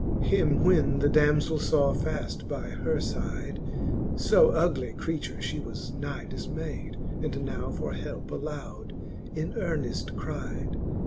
Him when the damzell faw faft by her fide, So ugly creature, (he was nigh difmayd. And now for helpe aloud in earneft cride.